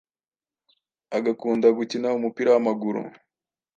agakunda gukina umupira w'amaguru